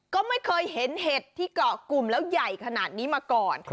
ก็ไม่เคยเห็นเห็ดที่เกาะกลุ่มแล้วใหญ่ขนาดนี้มาก่อน